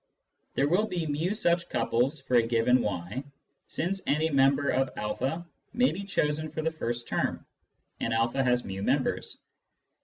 There will be ft such couples for a given y, since any member of a may be chosen for the first term, and a has /j, members.